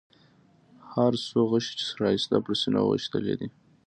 هر څو غشي چې ښایسته پر سینه ویشتلي.